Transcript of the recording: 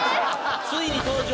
ついに登場！